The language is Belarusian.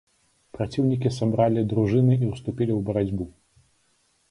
Праціўнікі сабралі дружыны і ўступілі ў барацьбу.